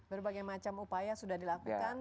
berbagai macam upaya sudah dilakukan